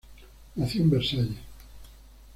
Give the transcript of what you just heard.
Nació en Versalles.